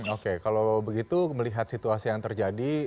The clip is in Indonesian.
oke kalau begitu melihat situasi yang terjadi